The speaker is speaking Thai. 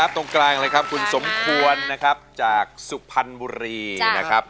อยู่ตรงกลางเลยครับคุณสมควรนะครับ